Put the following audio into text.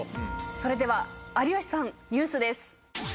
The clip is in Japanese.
それでは有吉さんニュースです。